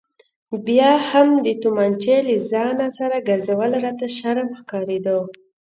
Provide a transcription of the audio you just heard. بیا هم د تومانچې له ځانه سره ګرځول راته شرم ښکارېده.